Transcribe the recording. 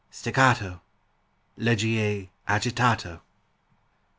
Staccato! Leggier agitato!